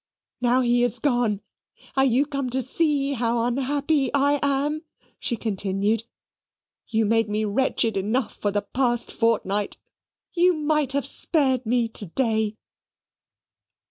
Now he is gone, are you come to see how unhappy I am?" she continued. "You made me wretched enough for the past fortnight: you might have spared me to day."